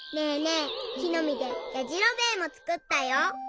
えきのみでやじろべえもつくったよ。